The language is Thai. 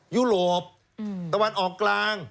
ยุโรปตะวันออกกลาง